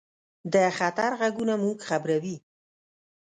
د خطر غږونه موږ خبروي.